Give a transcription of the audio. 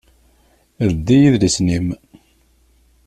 Ldi idlisen-im!